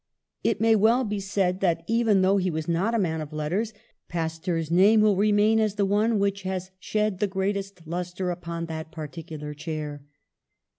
It may well be said that, even though he was not a man of letters, Pasteur's name will remain as the one which has shed the greatest lustre upon that particular chair.